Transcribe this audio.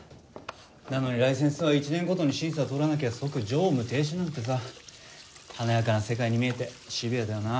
なのにライセンスは１年ごとに審査通らなきゃ即乗務停止なんてさ華やかな世界に見えてシビアだよな。